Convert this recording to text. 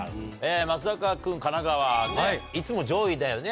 松坂君神奈川いつも上位だよね